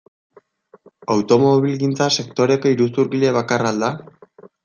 Automobilgintza sektoreko iruzurgile bakarra al da?